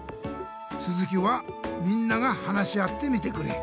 つづきはみんなが話し合ってみてくれ。